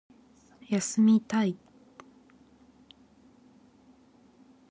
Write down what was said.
休みたい